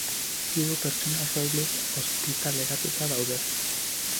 Hiru pertsona soilik ospitaleratuta daude.